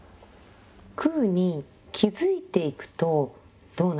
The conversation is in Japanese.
空に気づいていくとどうなるんですか？